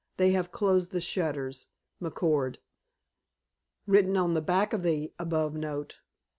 They have closed the shutters. McCord. WRITTEN ON THE BACK OF THE ABOVE NOTE.